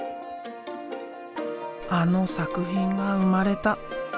あの作品が生まれた。